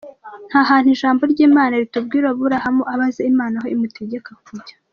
Nta hantu ijambo ry'Imana ritubwira aburahamu abaza Imana aho imutegeka kujya.